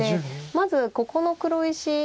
まずここの黒石